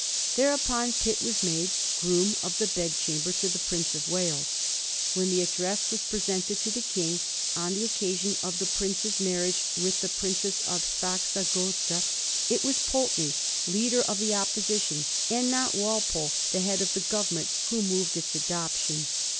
Thereupon Pitt was made Oroom of the Bedchamber to the Prince of Wales. When the address was presented to the King on the oc casion of the prince's marriage with the Princess of Saxe 1786. PITT— PULTBNEY. 55 Gotha, it was Poltenej, leader of the Opposition, and not Walpole, the head of the Government, who moved its adoption.